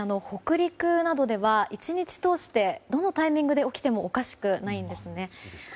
北陸などでは１日通してどのタイミングでも起きてもおかしくないんですね。